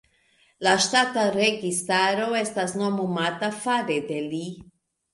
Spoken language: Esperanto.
La ŝtata registaro estas nomumata fare de li.